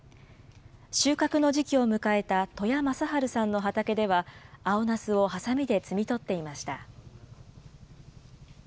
収穫の時期を迎えた戸屋政春さんの畑では、青なすをはさみで摘み取っていました。